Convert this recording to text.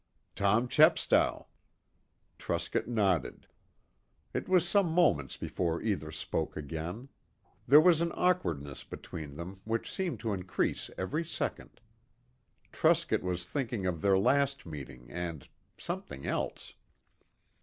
"Tom Chepstow." Truscott nodded. It was some moments before either spoke again. There was an awkwardness between them which seemed to increase every second. Truscott was thinking of their last meeting, and something else.